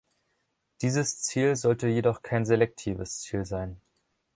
Dieses Ziel sollte jedoch kein selektives Ziel sein.